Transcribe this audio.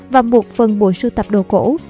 và một phần bộ sưu tập đồ cổ